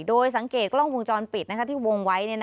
โดยสังเกตกล้องวงจรปิดที่วงไว้